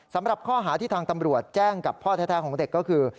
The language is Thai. สำหรับข้อหาที่ทางตำรวจแจ้งกับพ่อแท้ของเด็กก็คือ